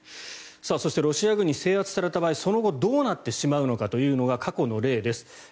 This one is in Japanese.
そしてロシア軍に制圧された場合その後どうなってしまうのかというのが過去の例です。